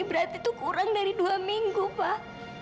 berarti itu kurang dari dua minggu pak